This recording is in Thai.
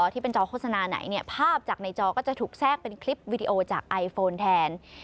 ที่เป็นจอโฆษณาไหนเนี่ยภาพจากในจอก็จะถูกแทรกเป็นคลิปวิดีโอจากไอโฟนแทน